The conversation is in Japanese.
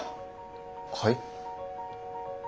はい？